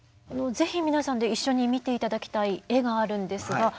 是非皆さんで一緒に見て頂きたい絵があるんですが。